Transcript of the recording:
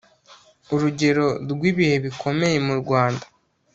urugero rw'ibihe bikomeye mu rwanda